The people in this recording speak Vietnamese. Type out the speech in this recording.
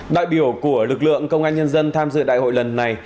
đại biểu của lực lượng công an nhân dân tham dự đại hội lần này